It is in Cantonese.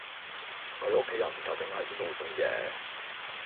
佢屋企人究竟喺邊度種嘢